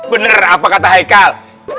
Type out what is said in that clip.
bener apa kata haikal